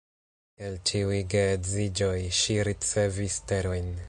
El ĉiuj geedziĝoj, ŝi ricevis terojn.